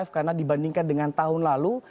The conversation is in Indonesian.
karena dibandingkan dengan tahun lalu